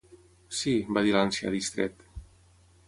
"Sí", va dir l'ancià distret.